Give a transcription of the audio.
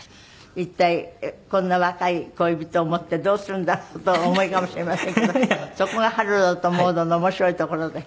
一体こんな若い恋人を持ってどうするんだろうとお思いかもしれませんけどそこが『ハロルドとモード』の面白いところで。